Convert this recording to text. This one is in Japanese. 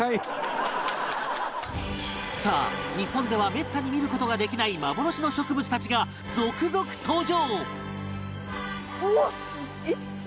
さあ日本ではめったに見る事ができない幻の植物たちが続々登場！